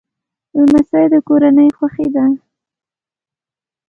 لمسی د کورنۍ خوښي ده.